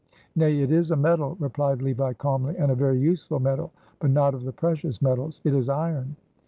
"Nay, it is a metal," replied Levi, calmly, "and a very useful metal, but not of the precious metals. It is iron."